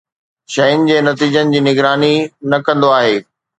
شين جي نتيجن جي نگراني نه ڪندو آهي